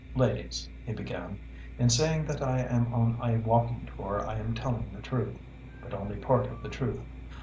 "Ladies," he began, "in saying that I am on a walking tour I am telling the truth, but only part of the truth.